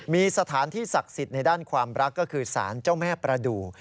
มีสถานที่ศักดิ์สิทธิ์ในด้านความรักก็คือสารเจ้าแม่ประดูก